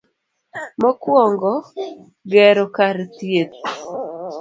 Mokwongo, gero kar thieth,